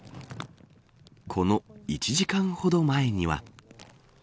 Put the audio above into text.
この１時間ほど前には。